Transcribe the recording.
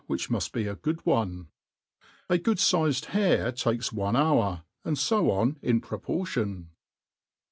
Which muft be a^ood one, A good fized hare takes one hour^ and fo on in proportion.